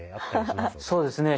そうですね